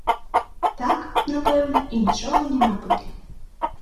Так, напэўна, і нічога не набылі.